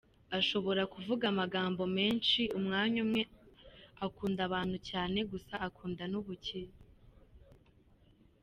Ashobora kuvuga amagambo menshi umwanya umwe, akunda abantu cyane gusa akunda n’ubukire.